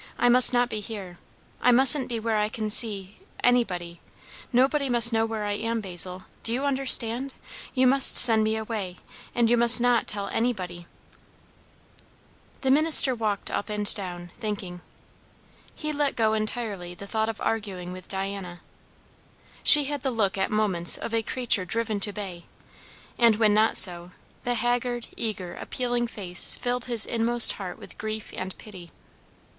"I must not be here. I musn't be where I can see anybody. Nobody must know where I am, Basil do you understand? You must send me away, and you must not tell anybody." The minister walked up and down, thinking. He let go entirely the thought of arguing with Diana. She had the look at moments of a creature driven to bay; and when not so, the haggard, eager, appealing face filled his inmost heart with grief and pity.